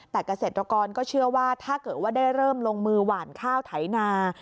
แต่เกษตรกรก็เชื่อว่าถ้าเกิดว่าได้เริ่มลงมือหวานข้าวไถนา